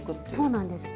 そうなんです。